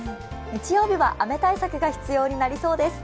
日曜日は雨対策が必要になりそうです。